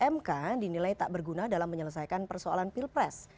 mk dinilai tak berguna dalam menyelesaikan persoalan pilpres